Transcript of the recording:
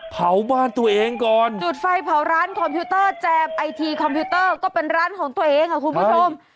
เผาบ้านตัวเองก่อนจุดไฟเผาร้านคอมพิวเตอร์แจมไอทีคอมพิวเตอร์ก็เป็นร้านของตัวเองอ่ะคุณผู้ชม